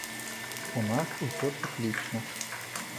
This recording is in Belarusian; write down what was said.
У нас усё цыклічна.